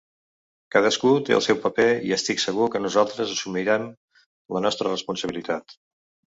Cadascú té el seu paper i estic segur que nosaltres assumirem la nostra responsabilitat.